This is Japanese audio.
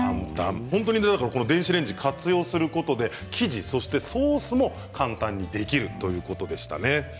電子レンジを活用することで生地もソースも簡単にできるということでしたね。